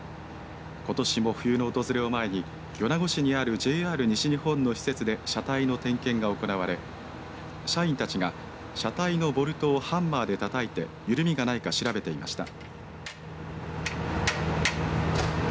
ことしも冬の訪れを前に米子市にあるＪＲ西日本の施設で車体の点検が行われ社員たちが車体のボルトをハンマーでたたいて緩みがないか調べていました。